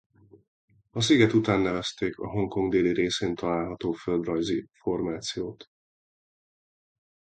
A sziget után nevezték a Hongkong déli részén található földrajzi formációt.